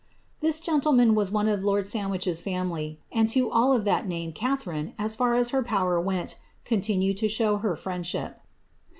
^^ This gentleman was one of lonl Sandwiches family, and to all of that name Catharine, as fur as her power went, continued to show liiT friendbhip.